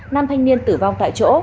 nam thanh niên tử vong tại chỗ